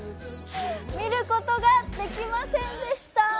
見ることができませんでした！